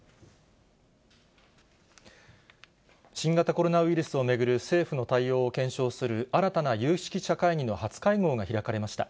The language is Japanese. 新型コロナウイルスを巡る、政府の対応を検証する新たな有識者会議の初会合が開かれました。